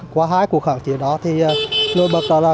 qua hai cuộc kháng chiến đó lưu bực đó là